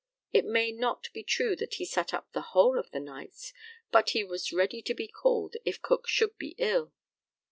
It may not be true that he sat up the whole of the nights, but he was ready to be called if Cook should be ill.